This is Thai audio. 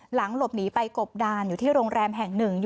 หลังหลบหนีไปกบดานอยู่ที่โรงแรมแห่ง๑